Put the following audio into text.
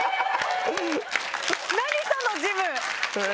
何、そのジム。